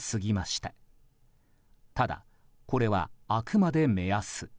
ただ、これはあくまで目安。